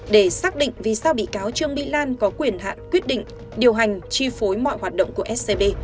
để xác định vì sao bị cáo trương mỹ lan có quyền hạn quyết định điều hành chi phối mọi hoạt động của scb